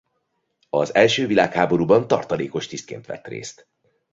Az első világháborúban tartalékos tisztként vett részt.